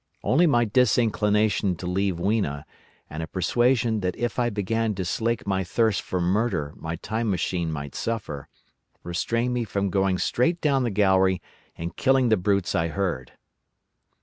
Only my disinclination to leave Weena, and a persuasion that if I began to slake my thirst for murder my Time Machine might suffer, restrained me from going straight down the gallery and killing the brutes I heard.